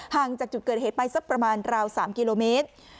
ห่างจากจุดเกิดเหตุไปสักประมาณราว๓กิโลเมตร